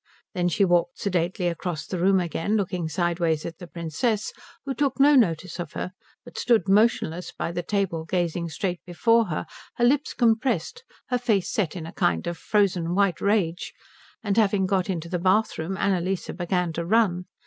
Then she walked sedately across the room again, looking sideways at the Princess, who took no notice of her but stood motionless by the table gazing straight before her, her lips compressed, her face set in a kind of frozen white rage, and having got into the bathroom Annalise began to run.